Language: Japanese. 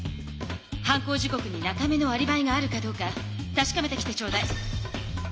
犯行時刻に中目のアリバイがあるかどうかたしかめてきてちょうだい。